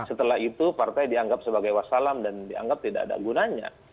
setelah itu partai dianggap sebagai wassalam dan dianggap tidak ada gunanya